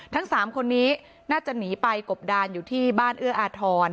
ทั้ง๓คนนี้น่าจะหนีไปกบดานอยู่ที่บ้านเอื้ออาทร